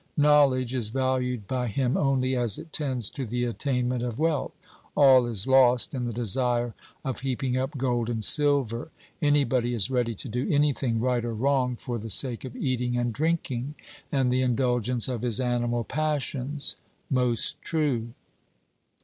Knowledge is valued by him only as it tends to the attainment of wealth. All is lost in the desire of heaping up gold and silver; anybody is ready to do anything, right or wrong, for the sake of eating and drinking, and the indulgence of his animal passions. 'Most true.'